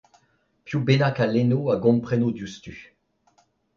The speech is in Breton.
Piv bennak a lenno a gompreno diouzhtu.